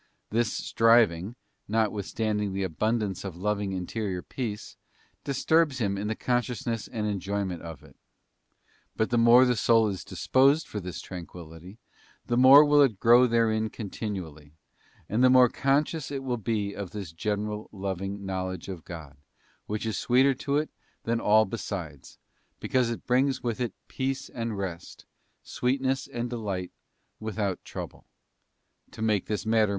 This striving, notwithstanding the abundance of _ loving interior peace, disturbs him in the consciousness and enjoyment of it. But the more the soul is disposed for "this tranquillity, the more will it grow therein continually ; and the more conscious it will be of this general loving knowledge of God, which is sweeter to it than all besides, do so, nor have any inclination thereto, but rather remain fo TS Se ele a ers}!